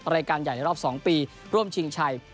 รายการใหญ่ในรอบ๒ปีร่วมชิงชัย